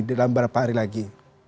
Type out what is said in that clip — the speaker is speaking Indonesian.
dalam berapa hari lagi